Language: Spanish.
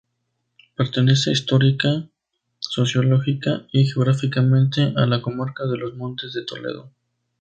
Pertenece histórica, sociológica y geográficamente a la comarca de los Montes de Toledo.